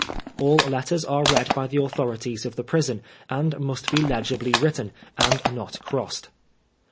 « All Letters are read by we Authorities of the Ftison, and must be legibly written, and not crossed.